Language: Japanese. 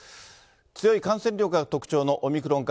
強い感染力が特徴のオミクロン株。